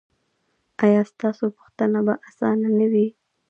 ایا ستاسو پوښتنه به اسانه نه وي؟